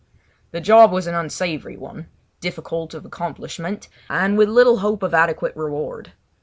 The job was an unsavoury one, difficult of accomplishment, and with little hope of adequate reward.